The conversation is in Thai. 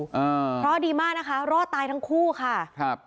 อ่าเพราะดีมากนะคะรอดตายทั้งคู่ค่ะครับ